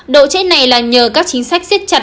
độ trễ này là nhờ các chính sách siết chặt